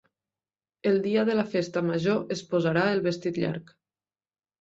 El dia de la festa major es posarà el vestit llarg.